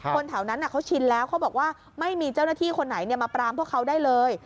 คนแถวนั้นเขาชินแล้วเขาบอกว่าไม่มีเจ้าหน้าที่คนไหนมาปรามพวกเขาได้เลย